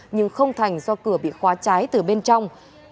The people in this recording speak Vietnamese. nhưng không thành do cửa bị khóa cháy từ bên trong